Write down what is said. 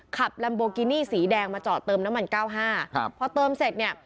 ขับลัมโบกินี่สีแดงมาเจาะเติมน้ำมัน๙๕ครับพอเติมเสร็จเนี่ย